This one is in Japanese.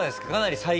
かなり。